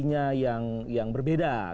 nah itu juga ada yang berbeda